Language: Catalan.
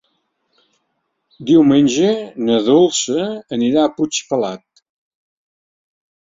Diumenge na Dolça anirà a Puigpelat.